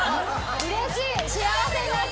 うれしい。